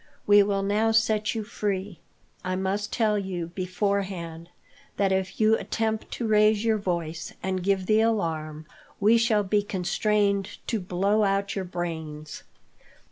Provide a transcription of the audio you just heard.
We will now set you free. I must tell you, beforehand, that if you attempt to raise your voice and give the alarm, we shall be constrained to blow out your brains."